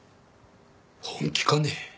本気かね？